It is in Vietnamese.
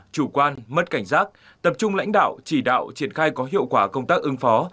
chủ quan mất cảnh giác tập trung lãnh đạo chỉ đạo triển khai có hiệu quả công tác ứng phó